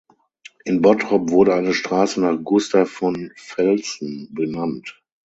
In Bottrop wurde eine Straße nach Gustav von Velsen benannt.